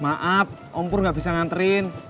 maaf om pur gak bisa anterin